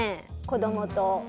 子どもと。